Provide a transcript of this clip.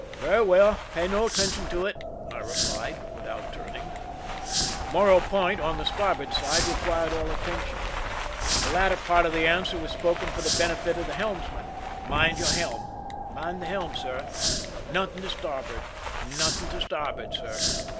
" Very well ; pay no attention to it," I replied, without turning, Morro Point, on the starboard side, requiring all attention. The latter part of the answer was spoken for the benefit of the helmsman. "Mind your helm !"" Mind the helm, sir." " Nothing to star board?" "Nothing to starboard, sir."